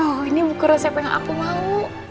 oh ini buku resep yang aku mau